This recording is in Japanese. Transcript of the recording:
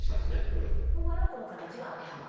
その場合はこの形が当てはまる？